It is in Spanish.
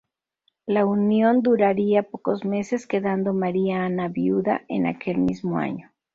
La unión duraría pocos meses, quedando María Ana viuda en aquel mismo año.